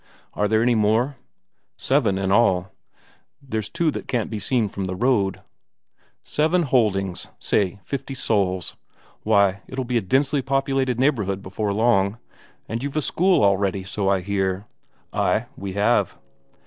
Are there any more?" "Seven in all. There's two that can't be seen from the road." "Seven holdings; say fifty souls. Why, it'll be a densely populated neighbourhood before long. And you've a school already, so I hear?" "Ay, we have."